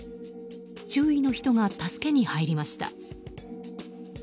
周囲の人が助けに入りました。